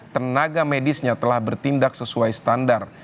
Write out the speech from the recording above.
tenaga medisnya telah bertindak sesuai standar